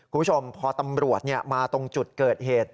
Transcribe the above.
คุณผู้ชมพอตำรวจมาตรงจุดเกิดเหตุ